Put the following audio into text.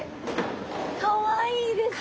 かわいいですね。